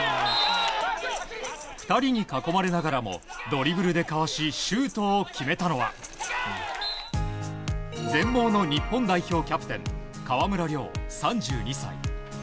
２人に囲まれながらもドリブルでかわしシュートを決めたのは全盲の日本代表キャプテン川村怜、３２歳。